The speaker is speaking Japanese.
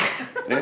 え？